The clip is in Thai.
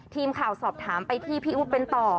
ทีมข่าวสอบถามไปที่พี่อุ๊บเป็นต่อ